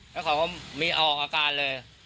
แล้วเขาก็มีเอาออกอาการเลย